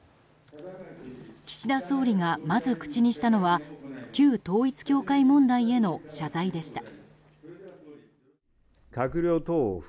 岸田総理が、まず口にしたのは旧統一教会問題への謝罪でした。